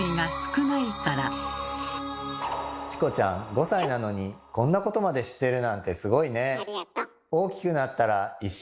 チコちゃん５歳なのにこんなことまで知ってるなんてすごいね。